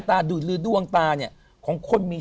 โปรดติดตามต่อไป